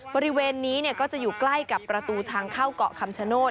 บริเวณนี้ก็จะอยู่ใกล้กับประตูทางเข้าเกาะคำชโนธ